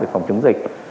phòng chống dịch